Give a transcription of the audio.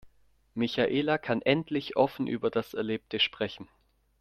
Michaela kann endlich offen über das Erlebte sprechen.